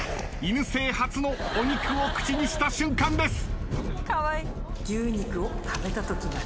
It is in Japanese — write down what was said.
犬生初のお肉を口にした瞬間です。